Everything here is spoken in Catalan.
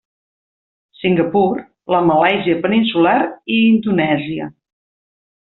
Singapur, la Malàisia peninsular i Indonèsia.